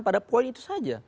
pada poin itu saja